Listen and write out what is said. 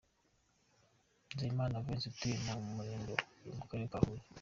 Nzeyimana Valens, utuye mu murenge wa Huye, mu Karere ka Huye.